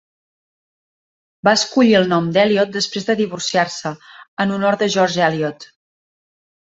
Va escollir el nom d'Eliot després de divorciar-se, en honor de George Eliot.